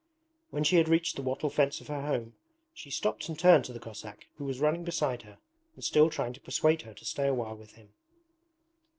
When she had reached the wattle fence of her home she stopped and turned to the Cossack who was running beside her and still trying to persuade her to stay a while with him.